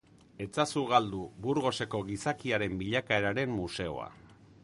Ez ezazu galdu Burgoseko gizakiaren bilakaeraren museoa!